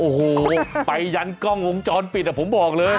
โอ้โหไปยันกล้องวงจรปิดอ่ะผมบอกเลย